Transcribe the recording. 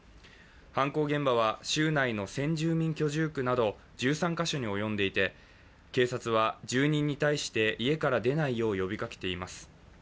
犯行現場は州内の先住民居住区など１３か所に及んでいて警察は住人に対して家から出ないよう呼びかけています。